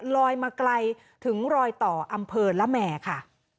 ลอยมาไกลถึงรอยต่ออำเภอละแห่ค่ะ